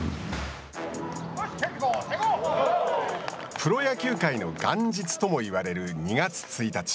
プロ野球界の元日ともいわれる２月１日。